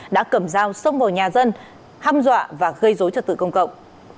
đã cầm dao xông vào nhà dân hâm dọa và gây dối trật tự công cộng